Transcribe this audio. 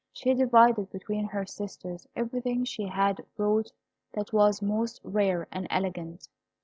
She divided between her sisters everything she had brought that was most rare and elegant.